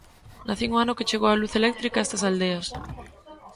Nacín o ano que chegou a luz eléctrica a estas aldeas.